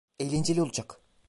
Eğlenceli olacak.